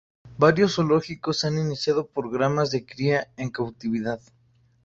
Varios zoológicos han iniciado programas de cría en cautividad.